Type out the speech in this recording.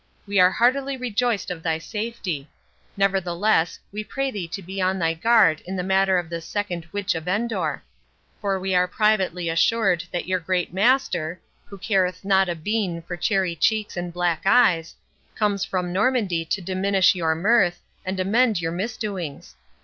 We are heartily rejoiced of thy safety; nevertheless, we pray thee to be on thy guard in the matter of this second Witch of Endor; for we are privately assured that your Great Master, who careth not a bean for cherry cheeks and black eyes, comes from Normandy to diminish your mirth, and amend your misdoings.